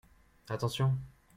Attention.